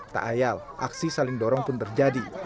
tak ayal aksi saling dorong pun terjadi